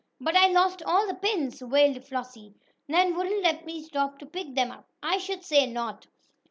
"But I lost all the pins!" wailed Flossie. "Nan wouldn't let me stop to pick them up!" "I should say not!